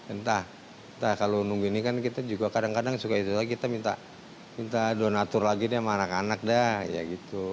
entah entah kalau nunggu ini kan kita juga kadang kadang suka itu kita minta donatur lagi deh sama anak anak dah ya gitu